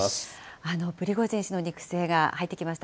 プリゴジン氏の肉声が入ってきました。